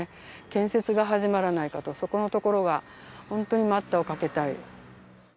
建設が始まらないかと、そこのところが本当に待ったをかけたい。